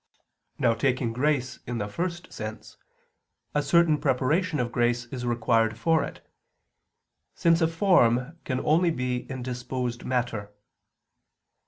Now taking grace in the first sense, a certain preparation of grace is required for it, since a form can only be in disposed matter.